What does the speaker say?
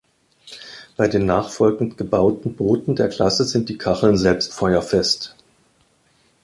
Bei den nachfolgend gebauten Booten der Klasse sind die Kacheln selbst feuerfest.